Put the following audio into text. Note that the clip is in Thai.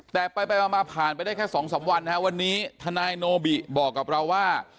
แต่ไปมาผ่านไปได้แค่๒๓วันนะฮะวันนี้ทนายโนบิบอกกับเราว่า